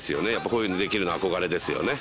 こういうのできるの憧れですよね。